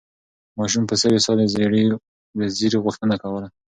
ماشوم په سوې ساه د زېري غوښتنه کوله.